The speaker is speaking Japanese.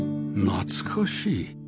懐かしい